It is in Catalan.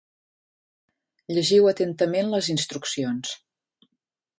Llegiu atentament les instruccions.